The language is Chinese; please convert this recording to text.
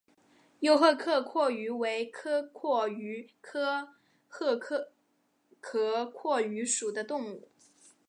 幼赫壳蛞蝓为壳蛞蝓科赫壳蛞蝓属的动物。